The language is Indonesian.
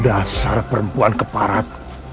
dasar perempuan keparat